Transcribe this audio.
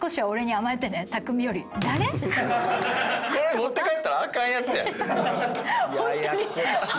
これ持って帰ったらあかんやつやん！